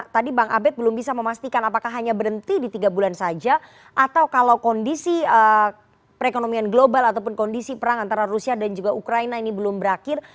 tadi bang abed belum bisa memastikan apakah hanya berhenti di tiga bulan saja atau kalau kondisi perekonomian global ataupun kondisi perang antara rusia dan juga ukraina ini belum berakhir